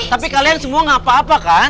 tapi kalian semua gak apa apa kan